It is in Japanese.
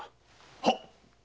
はっ！